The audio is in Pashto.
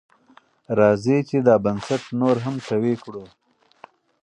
راځئ چې دا بنسټ نور هم قوي کړو.